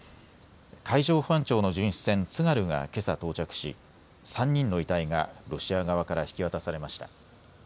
海上保安庁の巡視船つがるがけさ到着し、３人の遺体がロシア側から引き渡されました。